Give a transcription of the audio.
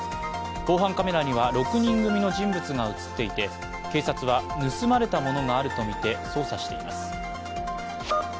防犯カメラには６人組の人物が映っていて警察は盗まれたものがあるとみて捜査しています。